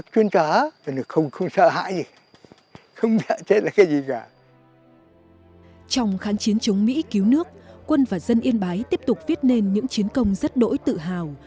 trong kháng chiến chống mỹ cứu nước quân và dân yên bái tiếp tục viết nên những chiến công rất đỗi tự hào